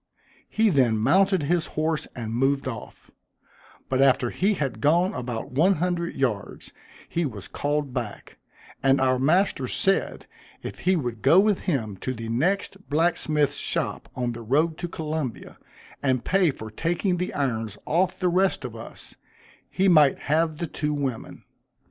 He then mounted his horse, and moved off; but after he had gone about one hundred yards, he was called back; and our master said, if he would go with him to the next blacksmith's shop on the road to Columbia, and pay for taking the irons off the rest of us, he might have the two women.